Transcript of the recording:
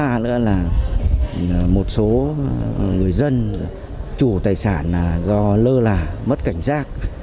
nguyên nhân thứ ba là một số người dân chủ tài sản do lơ là mất cảnh giác